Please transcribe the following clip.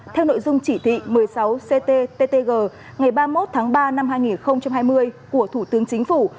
theo nội dung chỉ thị một mươi sáu cttg ngày ba mươi một tháng ba năm hai nghìn hai mươi của thủ tướng chính phủ